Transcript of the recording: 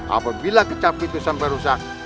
apabila kecap itu sampai rusak